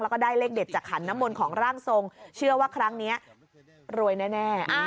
แล้วก็ได้เลขเด็ดจากขันน้ำมนต์ของร่างทรงเชื่อว่าครั้งนี้รวยแน่